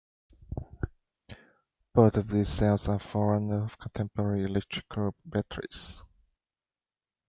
Both of these cells are forerunners of contemporary electrical batteries.